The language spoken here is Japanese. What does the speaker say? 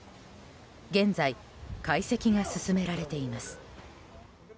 現在、解析が進められています。